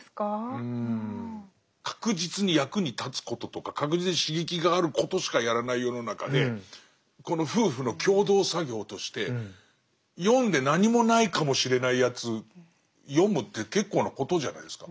確実に役に立つこととか確実に刺激があることしかやらない世の中でこの夫婦の共同作業として読んで何もないかもしれないやつ読むって結構なことじゃないですか。